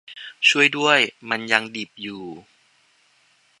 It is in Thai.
ช่วยด้วยมันยังดิบอยู่